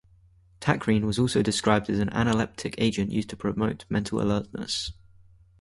Tacrine was also described as an analeptic agent used to promote mental alertness.